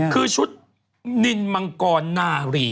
คือชุดนินมังกรนารี